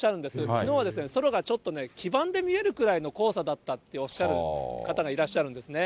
きのうは空がちょっとね、黄ばんで見えるぐらいの黄砂だったっておっしゃる方がいらっしゃるんですね。